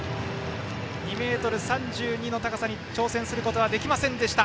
２ｍ３２の高さに挑戦することができませんでした。